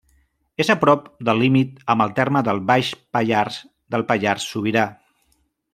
És a prop del límit amb el terme de Baix Pallars, del Pallars Sobirà.